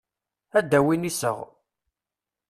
Ad d-awin iseɣ.